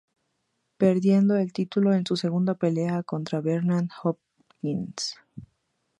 Perdiendo el título en su segunda pelea contra Bernard Hopkins.